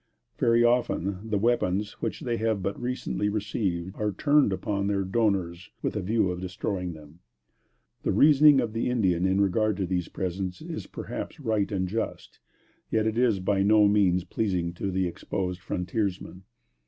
Very often the weapons which they have but recently received, are turned upon their donors with a view of destroying them. The reasoning of the Indian in regard to these presents is perhaps right and just, yet it is by no means pleasing to the exposed frontiersman.